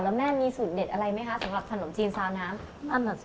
แล้วแม่มีสูตรเด็ดอะไรไหมคะสำหรับขนมจีนซาวน้ำ